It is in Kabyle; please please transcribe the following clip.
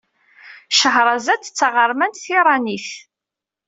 Cahṛazad d taɣermant tiṛanit.